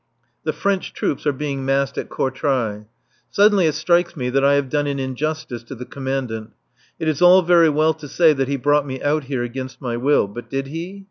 The French troops are being massed at Courtrai. Suddenly it strikes me that I have done an injustice to the Commandant. It is all very well to say that he brought me out here against my will. But did he?